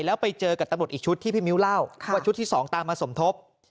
แล้วไปเจอกับตำรวจอีกชุดที่พี่มิ้วเล่าว่าชุดที่๒ตามมาสมทบ